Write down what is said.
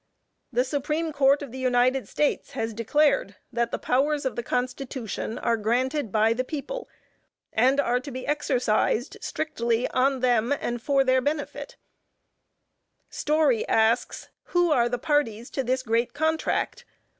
The Supreme Court of the United States has declared that the powers of the Constitution are granted by the people, and are to be exercised strictly on them, and for their benefit. Story asks, "Who are the parties to this great contract?"